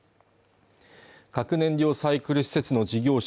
核燃料サイクル施設の事業者